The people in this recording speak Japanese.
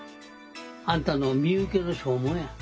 「あんたの身請けの証文や。